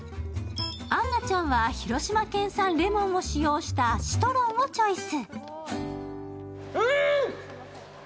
杏奈ちゃんは広島県産レモンを使用したシトロンをチョイス。